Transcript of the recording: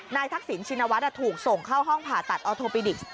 นายทักษิณชินวัดถูกส่งเข้าห้องผ่าตัดออทโปรปิดิกซ์